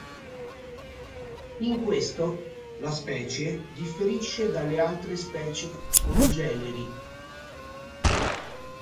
In questo, la specie differisce dalle altre specie congeneri.